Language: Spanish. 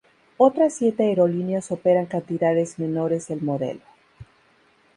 Otras siete aerolíneas operan cantidades menores del modelo.